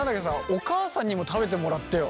お母さんにも食べてもらってよ。